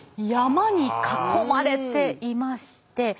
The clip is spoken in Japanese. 山に囲まれていまして。